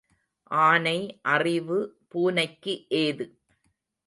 ஆனை அறிவு பூனைக்கு ஏது?